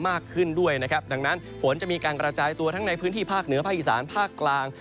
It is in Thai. มากขึ้นด้วยนะครับดังนั้นฝนจะมีการกระจายตัวทั้งในพื้นที่ภาคเหนือภาคอีสานภาคกลาง